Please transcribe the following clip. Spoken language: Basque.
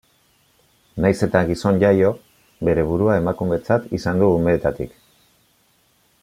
Nahiz eta gizon jaio, bere burua emakumetzat izan du umetatik.